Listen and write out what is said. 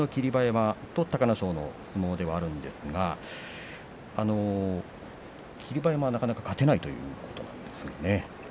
馬山と隆の勝との相撲ですが霧馬山はなかなか勝てないということなんですね。